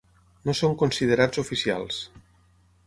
No són considerats oficials.